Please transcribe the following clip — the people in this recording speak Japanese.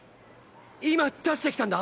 今出してきたんだ